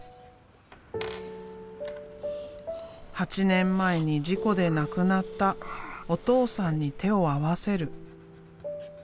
８年前に事故で亡くなったお父さんに手を合わせる。